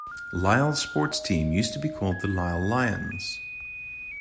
Lyle sports teams used to be called the Lyle Lions.